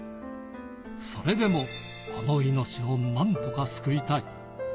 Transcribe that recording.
それでも、この命を何とか救いたい。